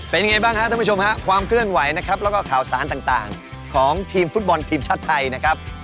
เป็นยังไงบ้างครับท่านผู้ชมฮะความเคลื่อนไหวนะครับแล้วก็ข่าวสารต่างของทีมฟุตบอลทีมชาติไทยนะครับ